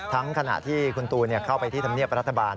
ขณะที่คุณตูนเข้าไปที่ธรรมเนียบรัฐบาล